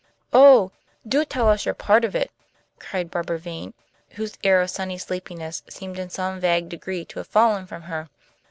"Oh, do tell us your part of it?" cried Barbara Vane, whose air of sunny sleepiness seemed in some vague degree to have fallen from her.